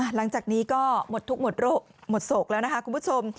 หลังจากนี้ก็หมดทุกข์หมดโศกแล้วนะคะคุณผู้ชม